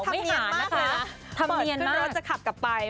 ทำเนียนมากค่ะทำเนียนมากเปิดเป็นรถจะขับกลับไปแม่